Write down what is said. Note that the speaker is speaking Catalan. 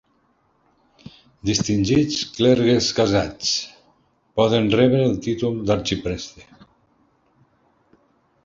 Distingits clergues casats poden rebre el títol d'arxipreste.